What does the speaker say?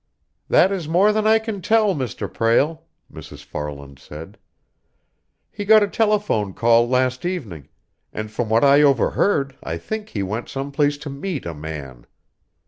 "That is more than I can tell, Mr. Prale," Mrs. Farland said. "He got a telephone call last evening, and from what I overheard I think he went some place to meet a man.